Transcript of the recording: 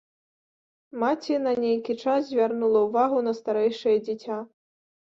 Маці на нейкі час звярнула ўвагу на старэйшае дзіця.